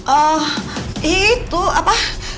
oh itu apa